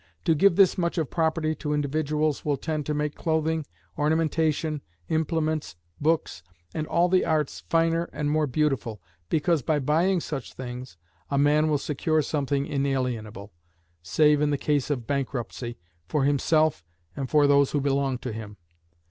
To give this much of property to individuals will tend to make clothing, ornamentation, implements, books, and all the arts finer and more beautiful, because by buying such things a man will secure something inalienable save in the case of bankruptcy for himself and for those who belong to him.